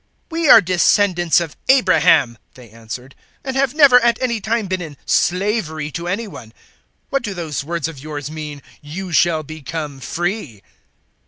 008:033 "We are descendants of Abraham," they answered, "and have never at any time been in slavery to any one. What do those words of yours mean, `You shall become free'?"